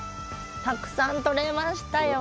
たくさんとれましたよ。